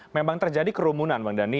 memang terjadi kerumunan